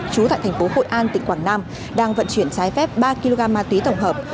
chú tại tp hội an tỉnh quảng nam đang vận chuyển trái phép ba kg ma túy tổng hợp